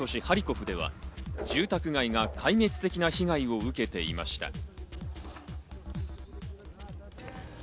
ハリコフでは、住宅街が壊滅的な被害を受けていました。